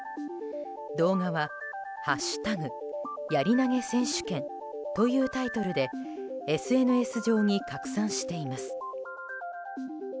動画は「＃やり投げ選手権」というタイトルでＳＮＳ上に拡散しています。